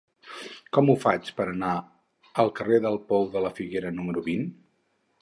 Com ho faig per anar al carrer del Pou de la Figuera número vint?